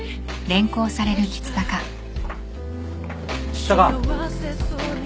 橘高。